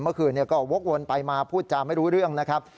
เมื่อคืนก็วกวนไปมาพูดจาไม่รู้เรื่องนะครับ